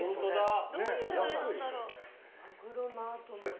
マグロマート盛り。